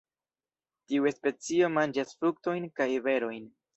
Tiu specio manĝas fruktojn kaj berojn.